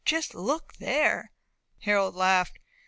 Just look there!" Harold laughed.